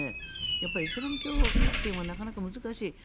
やっぱりイスラム教圏はなかなか難しい。